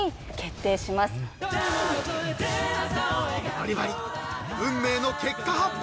［バリバリ運命の結果発表］